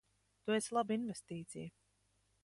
Tu esi laba investīcija.